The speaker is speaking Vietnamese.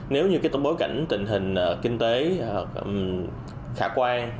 nếu như cái tổng bối cảnh tình hình kinh tế khả quan